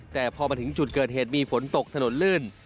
แต่พอมาถึงจุดเกิดเหตุมีฝนตกถนนลื่น